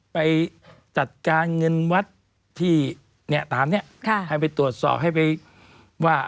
ไปจัดการเงินวัดที่เนี่ยตามนี้ให้ไปตรวจสอบให้ไปว่า